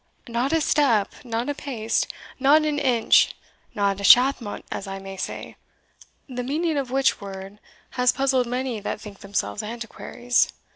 "Not a step, not a pace, not an inch, not a shathmont, as I may say, the meaning of which word has puzzled many that think themselves antiquaries.